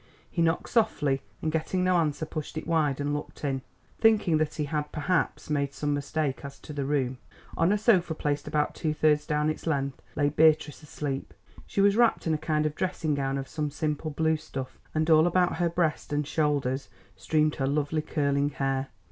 He knocked softly, and getting no answer pushed it wide and looked in, thinking that he had, perhaps, made some mistake as to the room. On a sofa placed about two thirds down its length, lay Beatrice asleep. She was wrapped in a kind of dressing gown of some simple blue stuff, and all about her breast and shoulders streamed her lovely curling hair.